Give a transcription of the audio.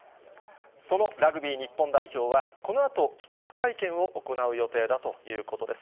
そのラグビー日本代表は、このあと、帰国会見を行う予定だということです。